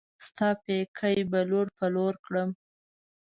ستا پيکی به لور پر لور کړم